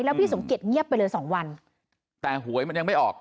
พี่สมเกียจเงียบไปเลยสองวันแต่หวยมันยังไม่ออก